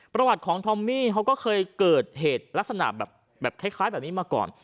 ประวัติของทอมมี่เขาก็เคยเกิดเหตุลักษณะแบบคล้ายแบบนี้มาก่อน